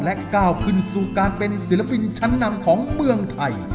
ก้าวขึ้นสู่การเป็นศิลปินชั้นนำของเมืองไทย